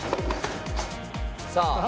さあ。